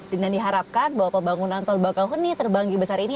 dengan diharapkan bahwa pembangunan tol bakauheni terbanggi besar ini